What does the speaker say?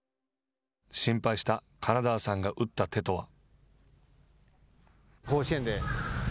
心配した金沢さんが打った手とは。